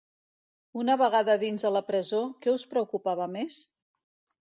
Una vegada dins de la presó, què us preocupava més?